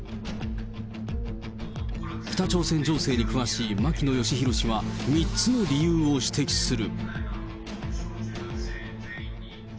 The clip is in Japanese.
北朝鮮情勢に詳しい牧野よしひろ氏は、３つの理由を指摘する。